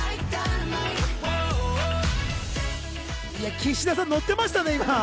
岸田さん、のっていましたね。